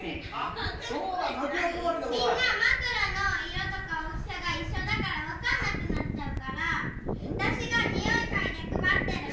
みんなまくらのいろとかおおきさがいっしょだからわかんなくなっちゃうからわたしがにおいかいでくばってるの！